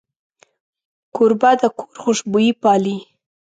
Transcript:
کوربه د کور خوشبويي پالي.